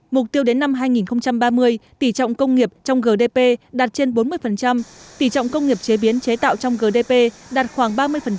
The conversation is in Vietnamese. mục tiêu đến năm hai nghìn ba mươi tỷ trọng công nghiệp trong gdp đạt trên bốn mươi tỷ trọng công nghiệp chế biến chế tạo trong gdp đạt khoảng ba mươi